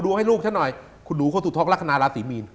ดูให้ลูกฉันหน่อยคุณดูเขาสุดท้องรักษณะราศรีมีน